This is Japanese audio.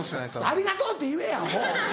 ありがとうって言えアホ！